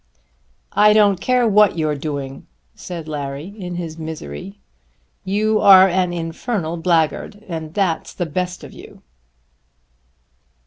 "I don't care what you're doing," said Larry in his misery. "You are an infernal blackguard and that's the best of you."